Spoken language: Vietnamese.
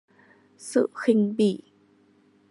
sự khinh bỉ